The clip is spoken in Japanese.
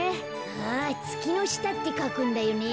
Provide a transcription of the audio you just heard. あつきのしたってかくんだよね。